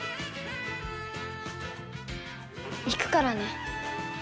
行くからね。